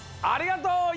ありがとう！